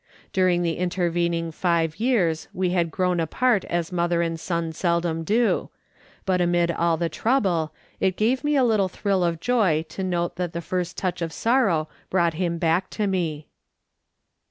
During the intervening five years we had grown apart as mother and son Seldom do ; but amid all the trouble, it gave me a little thrill of joy to note that the first touch of sorrow brought him back to me.